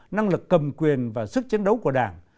năng lực cầm quyền và sức chiến đấu của đảng